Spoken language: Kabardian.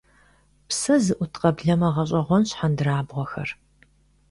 Псэ зыӀут къэблэмэ гъэщӏэгъуэнщ хьэндырабгъуэхэр.